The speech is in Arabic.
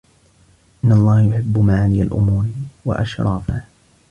إنَّ اللَّهَ يُحِبُّ مَعَالِيَ الْأُمُورِ وَأَشْرَافَهَا